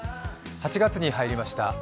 ８月に入りました。